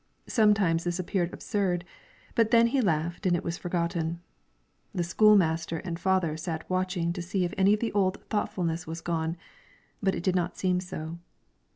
Sometimes this appeared absurd, but then he laughed and it was forgotten. The school master and the father sat watching to see if any of the old thoughtfulness was gone; but it did not seem so.